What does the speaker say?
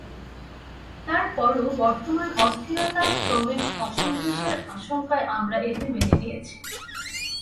তার পরও বর্তমান অস্থিরতায় শ্রমিক অসন্তোষের আশঙ্কায় আমরা এটি মেনে নিয়েছি।